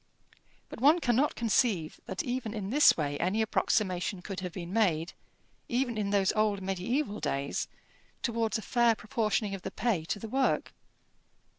But one cannot conceive that even in this way any approximation could have been made, even in those old mediæval days, towards a fair proportioning of the pay to the work.